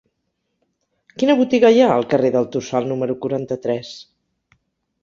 Quina botiga hi ha al carrer del Tossal número quaranta-tres?